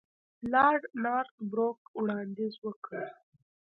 لارډ نارت بروک وړاندیز وکړ.